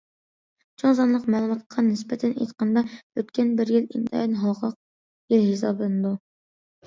چوڭ سانلىق مەلۇماتقا نىسبەتەن ئېيتقاندا، ئۆتكەن بىر يىل ئىنتايىن ھالقىلىق يىل ھېسابلىنىدۇ.